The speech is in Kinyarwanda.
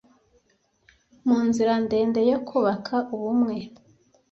Mu nzira ndende yo kubaka Ubumwe